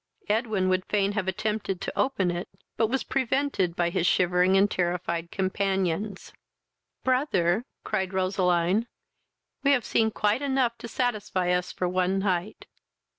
Edwin would fain have attempted to open it, but was prevented by his shivering and terrified companions. "Brother, (cried Roseline,) we have seen quite enough to satisfy us for one night."